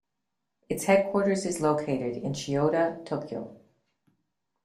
Its headquarters is located in Chiyoda, Tokyo.